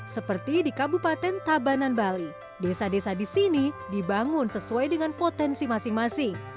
seperti di kabupaten tabanan bali desa desa di sini dibangun sesuai dengan potensi masing masing